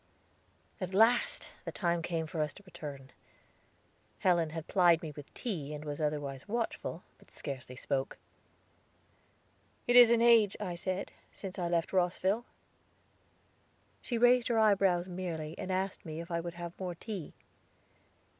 At last the time came for us to return. Helen had plied me with tea, and was otherwise watchful, but scarcely spoke. "It is an age," I said, "since I left Rosville." She raised her eyebrows merely, and asked me if I would have more tea.